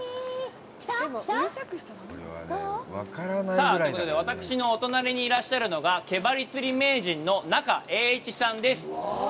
さあ、ということで、私のお隣にいらっしゃるのが毛針釣り名人の中栄一さんです。